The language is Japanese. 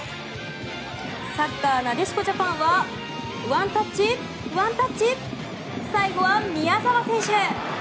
サッカーなでしこジャパンは１タッチ、１タッチ最後は宮澤選手。